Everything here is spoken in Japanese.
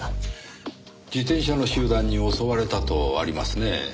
自転車の集団に襲われたとありますねぇ。